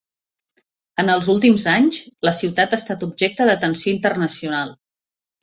En els últims anys, la ciutat ha estat objecte d'atenció internacional.